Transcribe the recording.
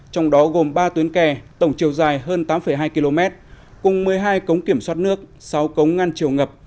trong đó gồm ba tuyến kè tổng chiều dài hơn tám hai km cùng một mươi hai cống kiểm soát nước sáu cống ngăn chiều ngập